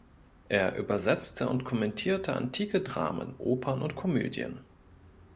Er übersetzte und kommentierte antike Dramen, Opern und Komödien.